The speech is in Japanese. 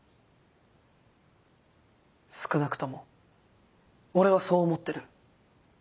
少なくとも俺はそう思ってる。